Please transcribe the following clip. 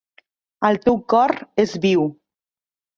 El teu cor és viu.